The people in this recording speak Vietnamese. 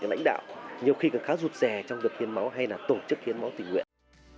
như nhà lãnh đạo nhiều khi còn khá rụt rè trong việc hiến máu hay tổ chức hiến máu tình nguyện